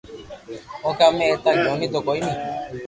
ڪونڪھ امي ايتا گيوني تو ڪوئي ني